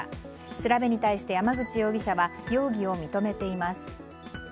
調べに対して山口容疑者は容疑を認めています。